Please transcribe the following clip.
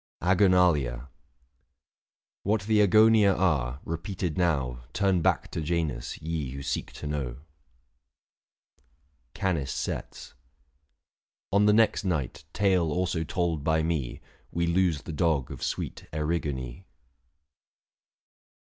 AGONALIA. What the Agonia are, repeated now Turn back to Janus, ye who seek to know. CANIS SETS. On the next night, tale also told by me, We lose the dog of sweet Erigone.